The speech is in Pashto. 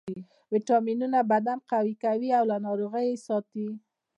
ویټامینونه بدن قوي کوي او له ناروغیو یې ساتي